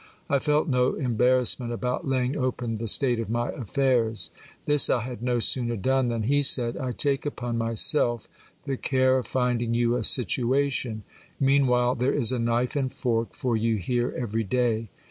I felt no embarrassment about laying open the state of my affairs. This I had no sooner done, than he said : I take upon myself the care of finding you a situation; meanwhile, there is a knife and fork for you here every day.